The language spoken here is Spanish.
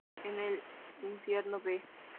En el "Infierno", v.